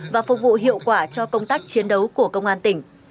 và phục vụ hiệu quả cho công tác chiến đấu của công an tỉnh